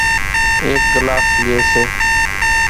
ايڪ ڳلاس لئي سي